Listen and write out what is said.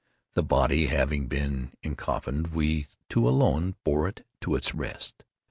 The body having been encoffined, we two alone bore it to its rest.